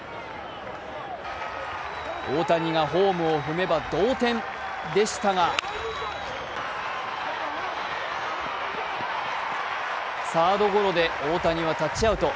大谷がホームを踏めば同点でしたがサードゴロで大谷はタッチアウト。